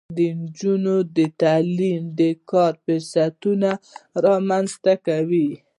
د نجونو تعلیم د کار فرصتونه رامنځته کوي.